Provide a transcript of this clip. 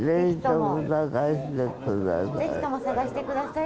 ぜひとも探してください。